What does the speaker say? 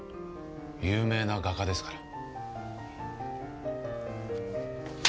有名な画家ですから。